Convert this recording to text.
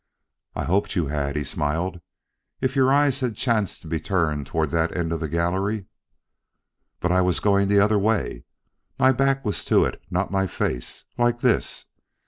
"I hoped you had," he smiled. "If your eyes had chanced to be turned toward that end of the gallery " "But I was going the other way. My back was to it, not my face like this."